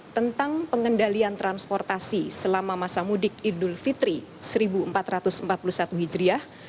tentang pengendalian transportasi selama masa mudik idul fitri seribu empat ratus empat puluh satu hijriah